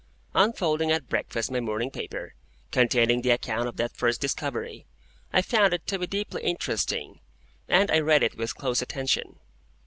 Unfolding at breakfast my morning paper, containing the account of that first discovery, I found it to be deeply interesting, and I read it with close attention.